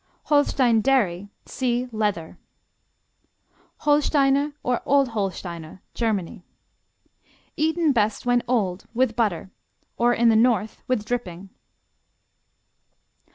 Holstein Dairy see Leather. Holsteiner, or Old Holsteiner Germany Eaten best when old, with butter, or in the North, with dripping.